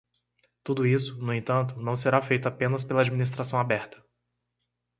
Tudo isso, no entanto, não será feito apenas pela Administração Aberta.